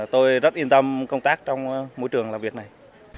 tôi rất yên tâm công tác trong môi trường làm việc này